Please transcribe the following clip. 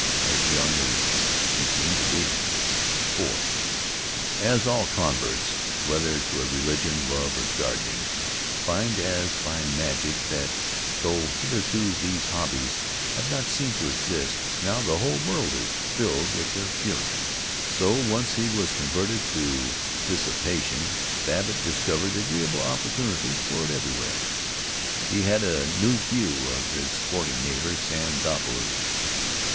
as young as she seemed to be. IV As all converts, whether to a religion, love, or gardening, find as by magic that though hitherto these hobbies have not seemed to exist, now the whole world is filled with their fury, so, once he was converted to dissipation, Babbitt discovered agreeable opportunities for it everywhere. He had a new view of his sporting neighbor, Sam Doppelbrau.